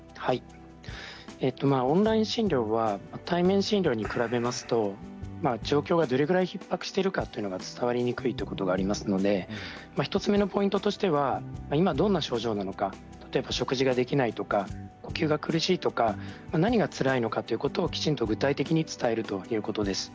オンライン診療は対面診療に比べますと状況がどれくらいひっ迫しているかというのが伝わりにくいということがありますので１つ目のポイントとしては今どんな症状なのか例えば食事ができないとか呼吸が苦しいとか何がつらいのかということをきちんと具体的に伝えるということです。